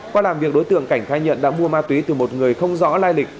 qua làm việc đối tượng cảnh khai nhận đã mua ma túy từ một người không rõ lai lịch